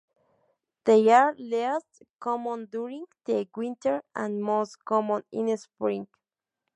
They are least common during the winter and most common in spring.